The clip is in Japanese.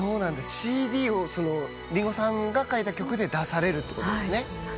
ＣＤを林檎さんが書いた曲で出されるってことですね。